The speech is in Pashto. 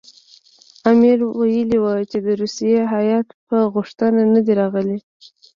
امیر ویلي وو د روسیې هیات په غوښتنه نه دی راغلی.